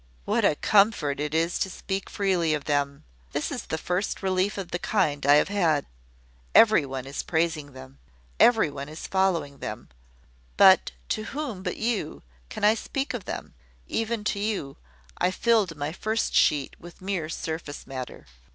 "What a comfort it is to speak freely of them! This is the first relief of the kind I have had. Every one is praising them; every one is following them: but to whom but you can I speak of them? Even to you, I filled my first sheet with mere surface matter.